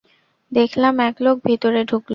দেখলাম এক লোক ভিতরে ঢুকল।